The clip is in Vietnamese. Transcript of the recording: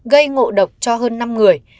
gây ngộ độc cho hơn năm người